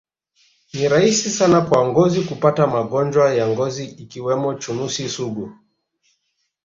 Ni rahisi sana kwa ngozi kupata magonjwa ya ngozi ikiwemo chunusi sugu